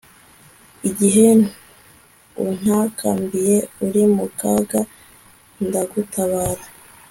igihe untakambiye uri mu kaga, ndagutabara